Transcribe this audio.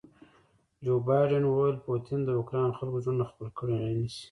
جو بایډن وویل پوټین د اوکراین خلکو زړونه خپل کړي نه شي.